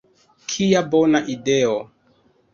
Kia bona ideo!